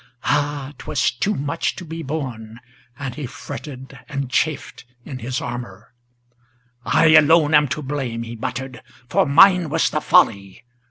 Ah! 't was too much to be borne, and he fretted and chafed in his armor! "I alone am to blame," he muttered, "for mine was the folly.